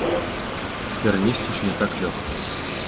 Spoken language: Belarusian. Перанесці ж не так лёгка.